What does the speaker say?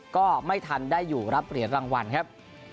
ก็ไม่ทันได้อยู่รับเหรียญรางวัลครับ